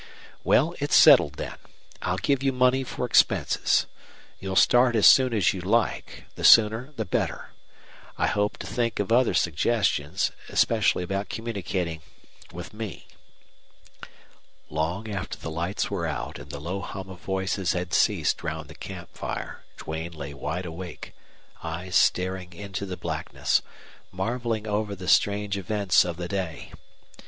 "Well, it's settled, then. I'll give you money for expenses. You'll start as soon as you like the sooner the better. I hope to think of other suggestions, especially about communicating with me." Long after the lights were out and the low hum of voices had ceased round the camp fire Duane lay wide awake, eyes staring into the blackness, marveling over the strange events of the day.